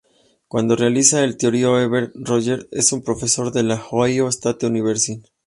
Cuando realiza la teoría Everett Rogers es un profesor de la Ohio State University.